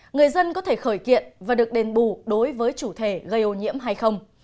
người dân có thể khởi kiện và được đền bù đối với chủ thể gây ô nhiễm hay không